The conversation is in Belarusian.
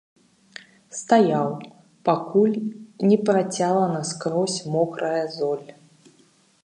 Стаяў, пакуль не працяла наскрозь мокрая золь.